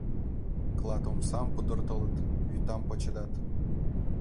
Клат омсам пудыртылыт, вӱтам почедат.